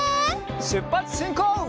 しゅっぱつしんこう！